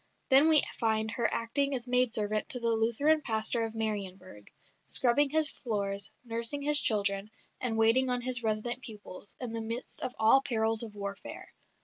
Then we find her acting as maid servant to the Lutheran pastor of Marienburg, scrubbing his floors, nursing his children, and waiting on his resident pupils, in the midst of all the perils of warfare.